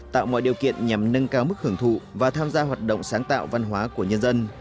tạo mọi điều kiện nhằm nâng cao mức hưởng thụ và tham gia hoạt động sáng tạo văn hóa của nhân dân